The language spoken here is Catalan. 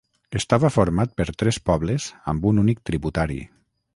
Estava format per tres pobles amb un únic tributari.